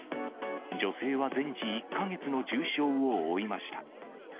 女性は全治１か月の重傷を負いました。